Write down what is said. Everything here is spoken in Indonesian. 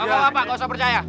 jangan usah percaya